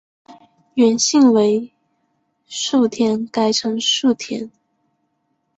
原姓为薮田改成薮田。